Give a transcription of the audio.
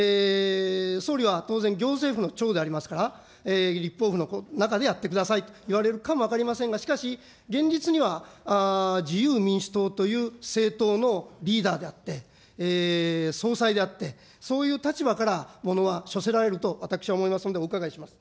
総理は当然、行政府の長でありますから、立法府の中でやってくださいと言われるかも分かりませんが、しかし、現実には自由民主党という政党のリーダーであって、総裁であって、そういう立場からものはしょせられると、私は思いますので、お伺いします。